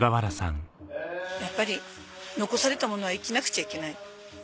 やっぱり残された者は生きなくちゃいけない。